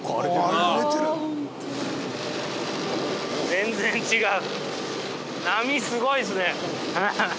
全然違う！